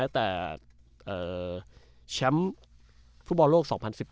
แต่แชมป์ฟุตบอลโลก๒๐๑๘